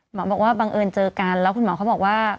หมอบอกว่าบังเอิญเจอกันแล้วคุณหมอเขาบอกว่า